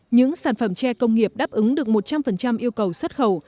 những sản phẩm tre công nghiệp đáp ứng được một trăm linh yêu cầu xuất khẩu